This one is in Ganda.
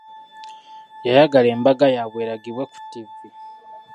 Yayagala embaga yaabwe eragibwe ku tivi.